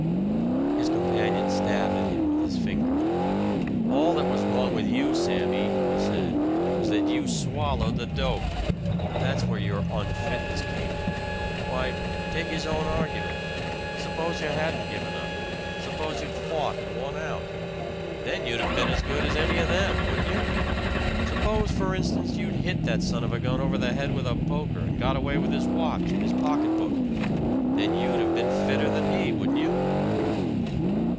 His companion stabbed at him with his finger. "All that was wrong with you, Sammy," he said, "was that you swallowed the dope! That's where your 'unfitness' came in! Why take his own argument. Suppose you hadn't given up. Suppose you'd fought and won out. Then you'd have been as good as any of them, wouldn't you? Suppose, for instance, you'd hit that son of a gun over the head with a poker and got away with his watch and his pocketbook then you'd have been 'fitter' than he, wouldn't you?"